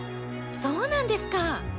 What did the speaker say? そうなんですか！